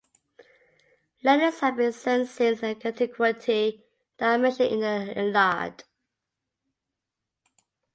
Letters have been sent since antiquity and are mentioned in the "Iliad".